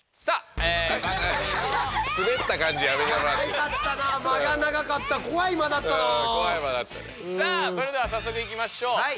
さあそれではさっそくいきましょう。